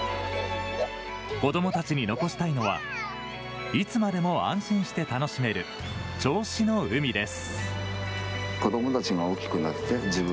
子どもたちに残したいのはいつまでも安心して楽しめる銚子の海です。